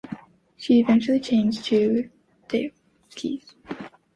She eventually changed to talkies.